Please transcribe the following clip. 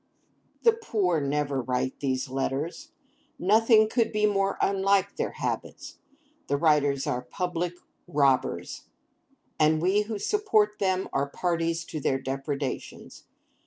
The poor never write these letters. Nothing could be more unlike their habits. The writers are public robbers; and we who support them are parties to their depredations.